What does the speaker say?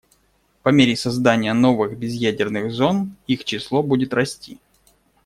По мере создания новых безъядерных зон их число будет расти.